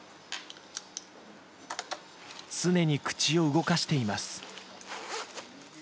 常に口を動かしています。